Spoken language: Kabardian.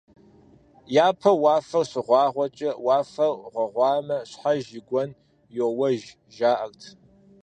Япэу уафэ щыгъуагъуэкӀэ, «Уафэр гъуагъуэмэ, щхьэж и гуэн йоуэж» жаӀэрт.